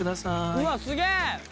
「うわっすげえ！